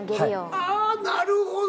ああなるほど。